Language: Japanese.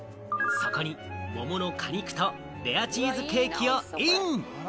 そこに桃の果肉とレアチーズケーキをイン。